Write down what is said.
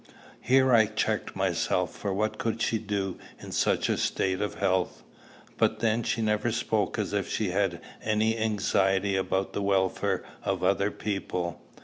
Here I checked myself, for what could she do in such a state of health? But then she never spoke as if she had any anxiety about the welfare of other people.